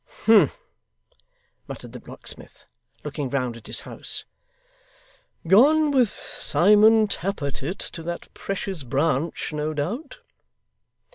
'Humph!' muttered the locksmith, looking round at his house. 'Gone with Simon Tappertit to that precious Branch, no doubt.